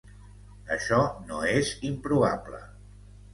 Això no és improbable.